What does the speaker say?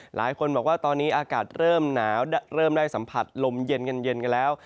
หลายคนบอกว่าตอนนี้อากาศเริ่มหนาวเริ่มได้สัมผัสลมเย็นกันเย็นกันแล้ว